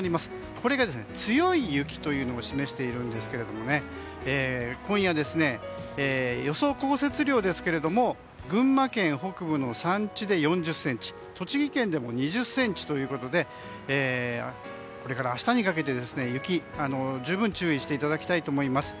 これが強い雪を示していまして今夜、予想降雪量ですが群馬県北部の山地で４０ｃｍ栃木県でも２０ｃｍということでこれから明日にかけて雪に十分注意していただきたいと思います。